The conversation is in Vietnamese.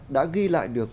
đã ghi lại được